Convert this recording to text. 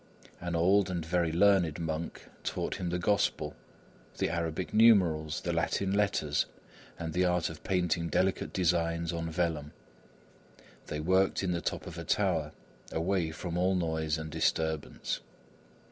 An old and very learned monk taught him the Gospel, the Arabic numerals, the Latin letters, and the art of painting delicate designs on vellum. They worked in the top of a tower, away from all noise and disturbance.